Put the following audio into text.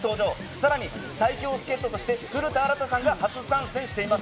さらに最強助っ人として古田新田さんが初参戦しています。